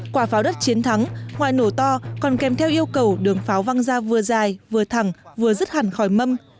quả pháo đất chiến thắng ngoài nổ to còn kèm theo yêu cầu đường pháo văng ra vừa dài vừa thẳng vừa dứt hẳn khỏi mâm